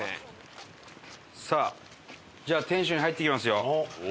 さあじゃあ天守に入っていきますよ。